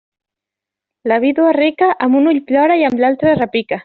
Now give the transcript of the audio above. La vídua rica, amb un ull plora i amb l'altre repica.